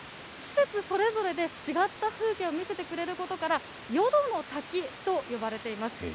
季節それぞれで違った風景を見せてくれることから、四度の滝と呼ばれています。